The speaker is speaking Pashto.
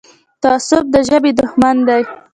تعصب د ژبې دښمن دی.